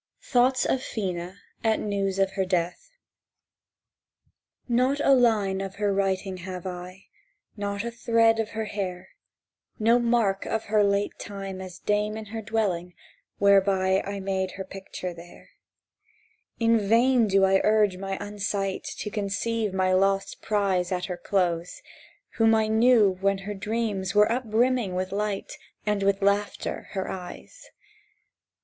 THOUGHTS OF PHENA AT NEWS OF HER DEATH NOT a line of her writing have I, Not a thread of her hair, No mark of her late time as dame in her dwelling, whereby I may picture her there; And in vain do I urge my unsight To conceive my lost prize At her close, whom I knew when her dreams were upbrimming with light, And with laughter her eyes.